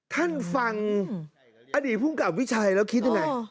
ท่านฟังอดีตภูมิกับวิชัยแล้วคิดยังไง